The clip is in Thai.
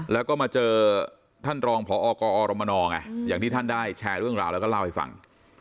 แล้วก็มาเจอท่านรองพอกอรมนไงอย่างที่ท่านได้แชร์เรื่องราวแล้วก็เล่าให้ฟัง